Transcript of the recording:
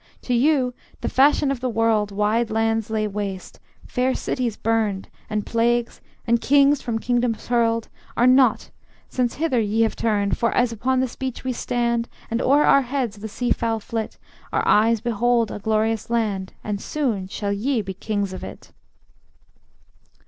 To you the fashion of the world, Wide lands laid waste, fair cities burned, And plagues, and kings from kingdoms hurled, Are naught, since hither ye have turned. For as upon this beach we stand, And o'er our heads the sea fowl flit, Our eyes behold a glorious land, And soon shall ye be kings of it.